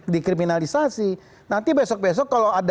dikriminalisasi nanti besok besok